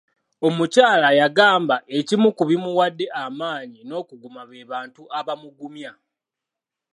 Omukyala yagamba ekimu ku bimuwadde amaanyi n’okuguma be bantu abamugumya.